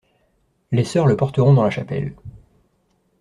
Les soeurs le porteront dans la chapelle.